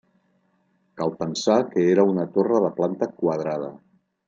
Cal pensar que era una torre de planta quadrada.